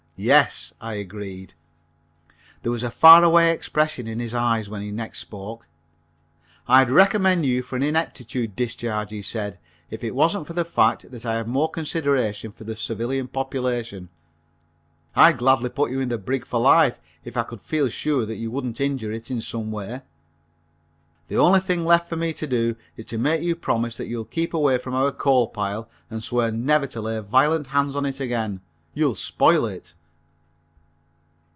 "Yes," I agreed. There was a faraway expression in his eyes when he next spoke. "I'd recommend you for an ineptitude discharge," he said, "if it wasn't for the fact that I have more consideration for the civilian population. I'd gladly put you in the brig for life if I could feel sure you wouldn't injure it in some way. The only thing left for me to do is to make you promise that you'll keep away from our coal pile and swear never to lay violent hands on it again. You'll spoil it."